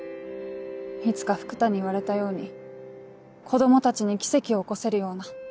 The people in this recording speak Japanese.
いつか福多に言われたように子供たちに奇跡を起こせるような。